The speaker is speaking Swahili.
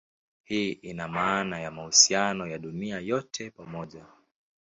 Hii ina maana ya mahusiano ya dunia yote pamoja.